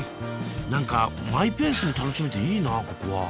何かマイペースに楽しめていいなここは。